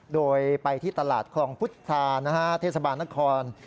โดยไปที่ตลาดคลองพุทธาเทศบาลนคร